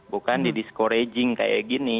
bukan di discoraging kayak gini